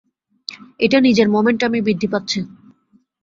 এটা নিজের মোমেন্টামেই বৃদ্ধি পাচ্ছে।